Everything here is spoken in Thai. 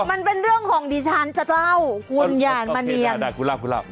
มันเป็นเรื่องของดิฉันเจ้าคุณอย่ามาเนียนโอเคได้คุณรับ